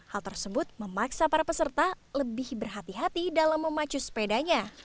hal tersebut memaksa para peserta lebih berhati hati dalam memacu sepedanya